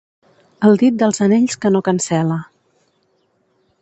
El dit dels anells que no cancel·la.